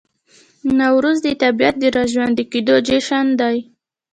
نوروز د طبیعت د راژوندي کیدو جشن دی.